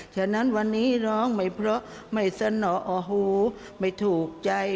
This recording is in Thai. ฉะนั้นวันนี้ร้องไม่เพราะไม่สนอโอ้โหไม่ถูกใจ